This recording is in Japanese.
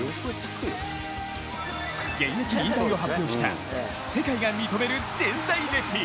現役引退を発表した世界が認める天才レフティ、